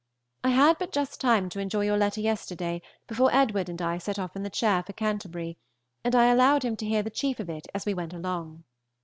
I had but just time to enjoy your letter yesterday before Edward and I set off in the chair for Canty., and I allowed him to hear the chief of it as we went along.